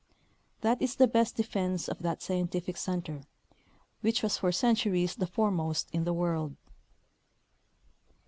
^^ That is the best defense of that scientific center, which was for centuries the foremost in the world.